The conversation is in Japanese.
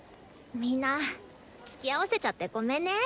みんなつきあわせちゃってごめんね。